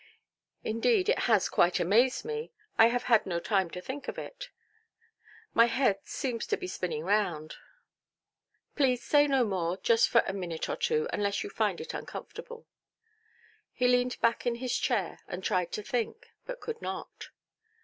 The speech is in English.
"Indeed, it has quite amazed me; and I have had no time to think of it. My head seems spinning round. Please to say no more just for a minute or two, unless you find it uncomfortable". He leaned back in his chair, and tried to think, but could not.